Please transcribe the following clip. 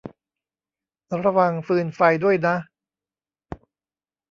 ระวังฟืนไฟด้วยนะ